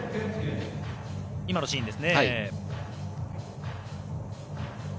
今のシーンですね。